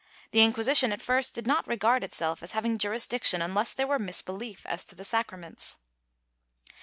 The Inquisition at first did not regard itself as having jurisdiction unless there were misbelief as to the sacraments.